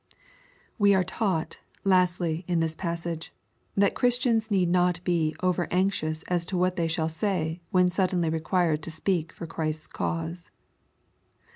We are taught, lastly, in this passage, that Christiana need not he over anxious as to what they shall say, when suddenly required to speak for Christ's cause.